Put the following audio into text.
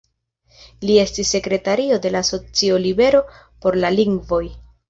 Li estis sekretario de la asocio "Libero por la lingvoj".